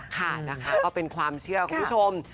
ค่ะนะคะก็เป็นความเชื่อคุณผู้ชม